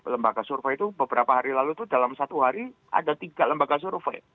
lembaga survei itu beberapa hari lalu itu dalam satu hari ada tiga lembaga survei